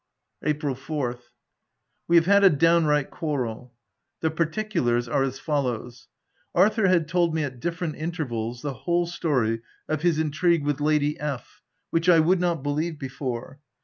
April 4th. — We have had a downright quarrel. The particulars are as follows :— Arthur had told me, at different intervals, the whole story of his intrigue with Lady F —, which I would not believe before.